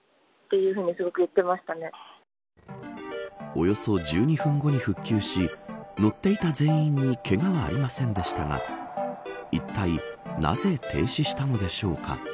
およそ１２分後に復旧し乗っていた全員にけがはありませんでしたがいったい、なぜ停止したのでしょうか。